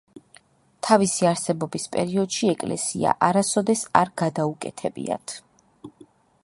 თავისი არსებობის პერიოდში ეკლესია არასოდეს არ გადაუკეთებიათ.